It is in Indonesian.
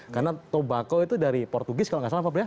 karena tembakau itu dari portugis kalau tidak salah pak budi ya